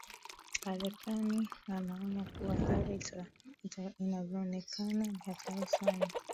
arekani inaonya kuwa hali inavyoonekana ni hatari sana